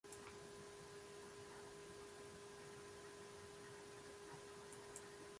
There he headed the Beam Physics department.